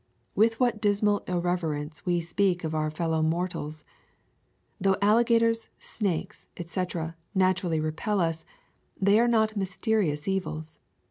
With what dismal irreverence we speak of our fellow mortals! Though alligators, snakes, etc., naturally repel us, they are not mysterious evils.